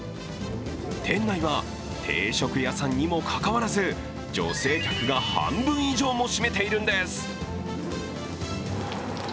店内は定食屋さんにもかかわらず、女性客が半分以上を占めているんです。